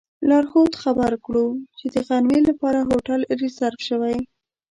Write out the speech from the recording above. لارښود خبر کړو چې د غرمې لپاره هوټل ریزرف شوی.